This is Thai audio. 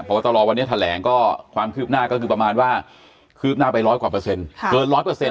วัตรรอวันนี้แถลงก็ความคืบหน้าก็คือประมาณว่าคืบหน้าไปร้อยกว่าเปอร์เซ็นต์เกินร้อยเปอร์เซ็น